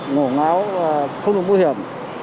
ngổ ngáo không được nguy hiểm